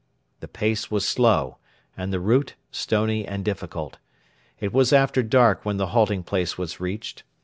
The pace was slow, and the route stony and difficult. It was after dark when the halting place was reached.